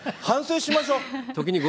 反省しましょ！